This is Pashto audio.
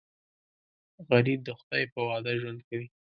غریب د خدای په وعده ژوند کوي